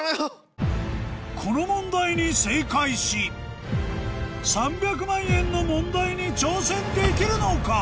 この問題に正解し３００万円の問題に挑戦できるのか？